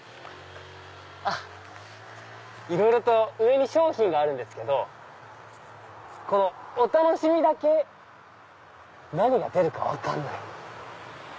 あっいろいろと上に商品があるんですけどこの「お楽しみ」だけ何が出るか分かんない。